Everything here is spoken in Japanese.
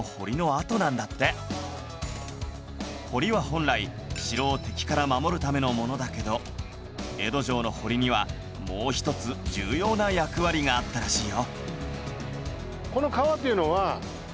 堀は本来城を敵から守るためのものだけど江戸城の堀にはもう一つ重要な役割があったらしいよ